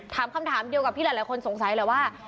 คำถามเดียวกับที่หลายคนสงสัยแหละว่า